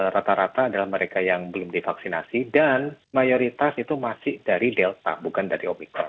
rata rata adalah mereka yang belum divaksinasi dan mayoritas itu masih dari delta bukan dari omikron